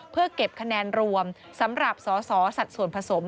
เพื่อเก็บคะแนนรวมสำหรับสอสอสัดส่วนผสม